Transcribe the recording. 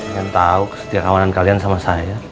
yang tahu setiap kawanan kalian sama saya